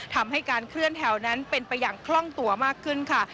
ทำให้การเคลื่อนแถวนั้นเป็นไปอย่างคล่องตัวมากขึ้นค่ะ